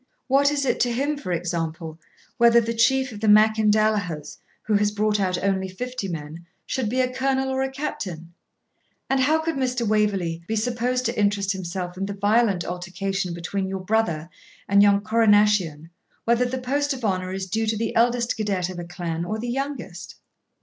What is it to him, for example, whether the Chief of the Macindallaghers, who has brought out only fifty men, should be a colonel or a captain? and how could Mr. Waverley be supposed to interest himself in the violent altercation between your brother and young Corrinaschian whether the post of honour is due to the eldest cadet of a clan or the youngest?'